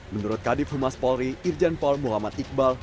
menurut kadif humas polri irjen paul muhammad iqbal